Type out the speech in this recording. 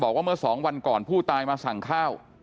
บอกว่าเมื่อ๒วันก่อนผู้ตายมาสั่งข้าว